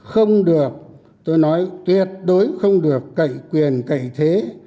không được tôi nói tuyệt đối không được cậy quyền cậy thế